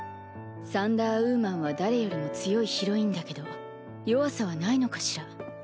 サンダーウーマンは誰よりも強いヒロインだけど弱さはないのかしら？